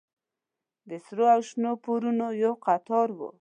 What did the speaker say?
د سرو او شنو پوړونو يو قطار و.